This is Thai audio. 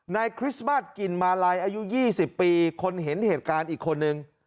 นายคริสต์บัตรกินมาลัยอายุยี่สิบปีคนเห็นเหตุการณ์อีกคนนึง